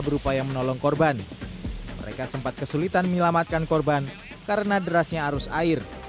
berupaya menolong korban mereka sempat kesulitan menyelamatkan korban karena derasnya arus air